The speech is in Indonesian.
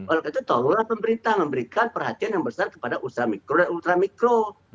oleh karena itu tolonglah pemerintah memberikan perhatian yang besar kepada usaha mikro dan ultramikro